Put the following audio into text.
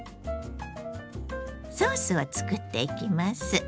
ソースを作っていきます。